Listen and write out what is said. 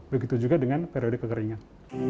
begitu juga dengan periode kekeringan